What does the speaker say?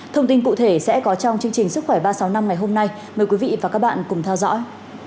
thông tin cụ thể sẽ có trong chương trình sức khỏe ba trăm sáu mươi năm ngày hôm nay mời quý vị và các bạn cùng theo dõi